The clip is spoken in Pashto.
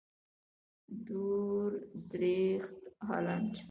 دور درېخت هالنډ.